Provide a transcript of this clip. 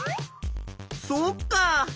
そっか！